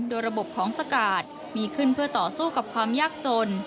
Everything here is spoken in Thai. โดยระบบของสกาดมีขึ้นเพื่อต่อสู้กับความยากจน